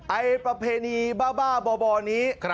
ประเพณีบ้าบ่อนี้